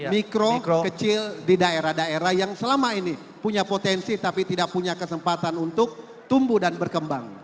mikro kecil di daerah daerah yang selama ini punya potensi tapi tidak punya kesempatan untuk tumbuh dan berkembang